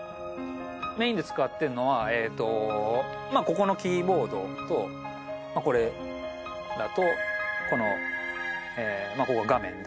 メインで使ってるのはここのキーボードとこれだとこのここ画面で。